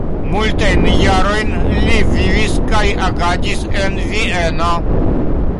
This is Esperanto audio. Multajn jarojn li vivis kaj agadis en Vieno.